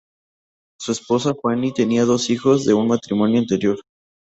Su esposa Fannie tenía dos hijos de un matrimonio anterior.